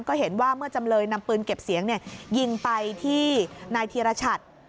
ก็เห็นว่าเมื่อจำเลยนำปืนเก็บเสียงยิงไปที่นายธีรชัด